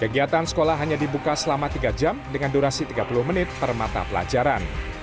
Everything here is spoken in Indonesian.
kegiatan sekolah hanya dibuka selama tiga jam dengan durasi tiga puluh menit per mata pelajaran